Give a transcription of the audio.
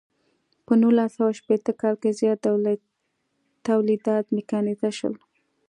په نولس سوه شپیته کال کې زیات تولیدات میکانیزه شول.